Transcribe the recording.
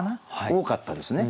多かったですね。